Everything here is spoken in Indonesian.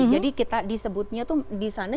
jadi kita disebutnya tuh disana